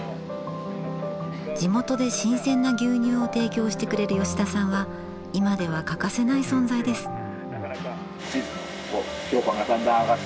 地元で新鮮な牛乳を提供してくれる吉田さんは今では欠かせない存在です。